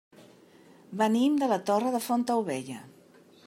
Venim de la Torre de Fontaubella.